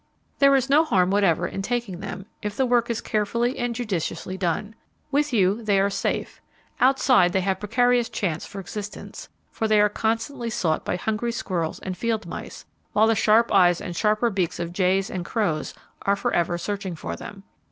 There is no harm whatever in taking them if the work is carefully and judiciously done. With you they are safe. Outside they have precarious chance for existence, for they are constantly sought by hungry squirrels and field mice, while the sharp eyes and sharper beaks of jays, and crows, are for ever searching for them.